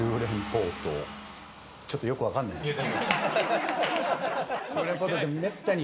ちょっとよく分からないね。